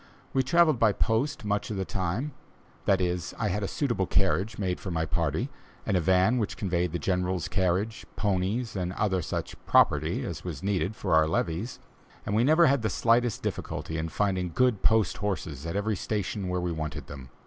We travelled by post much of the time that is, I had a suitable carriage made for my party, and a van which conveyed the General's carriage, ponies, and such other "property" as was needed for our levees, and we never had the slightest difficulty in finding good post horses at every station where we wanted them.